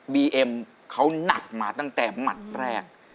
บีเอ็มเขาหนักมาตั้งแต่หมัดแรก